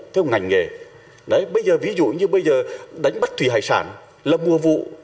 theo ngành nghề đấy ví dụ như bây giờ đánh bắt thủy hải sản là mùa vụ